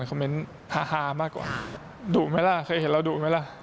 คอมเมนต์ฮามากกว่าดุไหมล่ะเคยเห็นเราดุไหมล่ะ